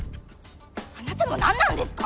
あなたも何なんですか！？